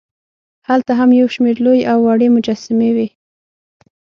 هلته هم یوشمېر لوې او وړې مجسمې وې.